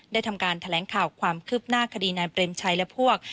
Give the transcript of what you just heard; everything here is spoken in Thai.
ทำการแถลงข่าวความคืบหน้าคดีนายเปรมชัยและพวก